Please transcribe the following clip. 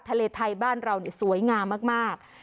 ทะเลไทยบ้านเราสวยงามมาก